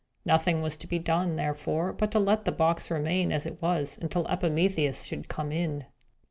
Nothing was to be done, therefore, but to let the box remain as it was until Epimetheus should come in.